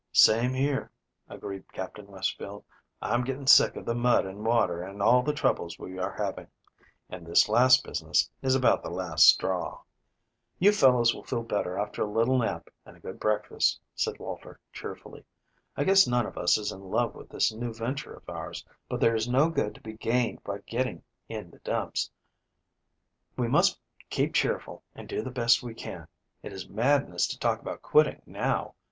"Same here," agreed Captain Westfield. "I'm getting sick of the mud and water and all the troubles we are having, and this last business is about the last straw." "You fellows will feel better after a little nap, and a good breakfast," said Walter cheerfully. "I guess none of us is in love with this new venture of ours, but there is no good to be gained by getting in the dumps. We must keep cheerful and do the best we can. It is madness to talk about quitting now.